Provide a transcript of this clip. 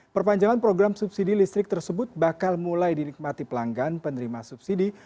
perpanjangan program subsidi listrik tersebut bakal mulai dinikmati pelanggan penerima subsidi